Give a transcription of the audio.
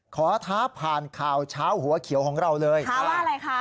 ท้าผ่านข่าวเช้าหัวเขียวของเราเลยเพราะว่าอะไรคะ